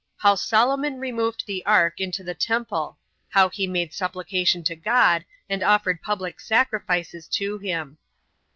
How Solomon Removed The Ark Into The Temple How He Made Supplication To God, And Offered Public Sacrifices To Him.